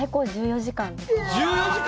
１４時間！？